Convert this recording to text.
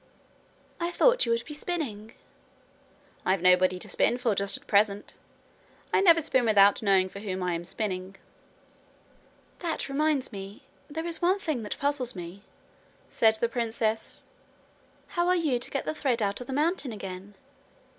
'I thought you would be spinning.' 'I've nobody to spin for just at present. I never spin without knowing for whom I am spinning.' 'That reminds me there is one thing that puzzles me,' said the princess: 'how are you to get the thread out of the mountain again?